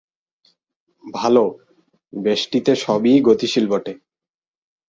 ভাল, ব্যষ্টিতে সবই গতিশীল বটে।